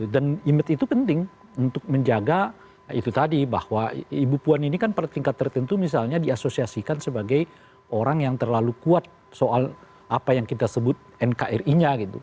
dan image itu penting untuk menjaga itu tadi bahwa ibu puan ini kan pada tingkat tertentu misalnya diasosiasikan sebagai orang yang terlalu kuat soal apa yang kita sebut nkri nya gitu